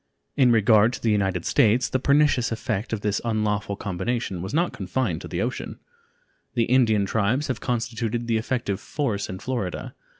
In regard to the United States, the pernicious effect of this unlawful combination was not confined to the ocean; the Indian tribes have constituted the effective force in Florida.